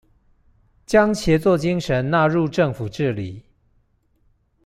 將協作精神納入政府治理